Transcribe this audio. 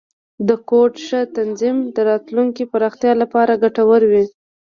د کوډ ښه تنظیم، د راتلونکي پراختیا لپاره ګټور وي.